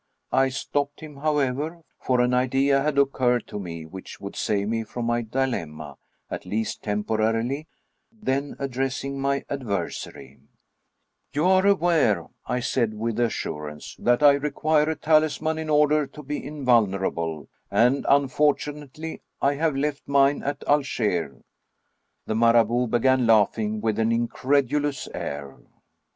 I stopped him, however, for an idea had occurred to me which would save 235 True Stories of Modern Magic me from my dilemma, at least temporarily; then, address ing my adversary :" You are aware," I said, with assurance, " that I require a talisman in order to be invulnerable, and, unfortunately, I have left mine at Algiers." The Marabout began laughing with an incredulous air.